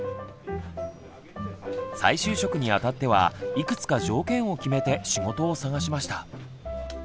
再就職にあたってはいくつか条件を決めて仕事を探しました。